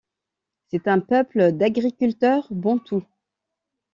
C'est un peuple d'agriculteurs bantous.